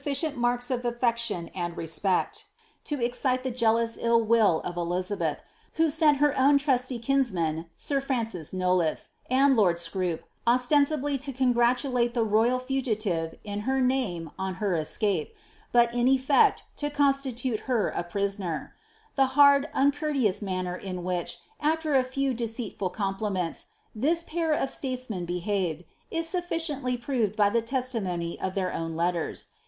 201 vith foffirient marks of aflection and respect, to excite ine jealous ill viJl of Elizabeth, who sent her own trusty kinsman, sir Francis Knollys, ■od lord Scroop, ostensibly to congratulate the royal fugitive in her name on her escape, but in effect to constitute her a prisoner. Th« hard« nncourteous manner in which, after a few deceitful compliments, this pair of statesmen behaved, is sufficiently proved by the testimony of their own letters.